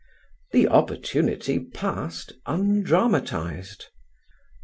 The opportunity passed undramatized.